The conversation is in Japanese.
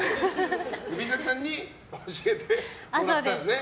Ｂ作さんに教えてもらったんだね。